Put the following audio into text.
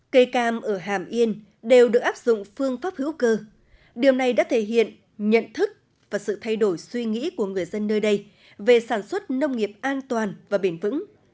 cây cam ở hàm yên đều được áp dụng phương pháp hữu cơ điều này đã thể hiện nhận thức và sự thay đổi suy nghĩ của người dân nơi đây về sản xuất nông nghiệp an toàn và bền vững